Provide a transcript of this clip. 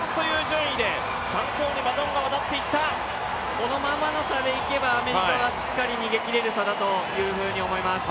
このままの差でいけば、アメリカはしっかり逃げきれるさだと思います。